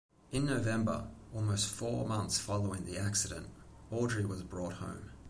In November, almost four months following the accident, Audrey was brought home.